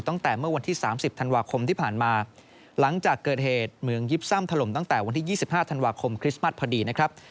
ตั้งแต่เมื่อวันที่๓๐ธันวาคมที่ผ่านมาหลังจากเกิดเหตุเมืองยิบซ่ำถล่มตั้งแต่วันที่๒๕ธันวาคมคริสต์มัสพอดีนะครับ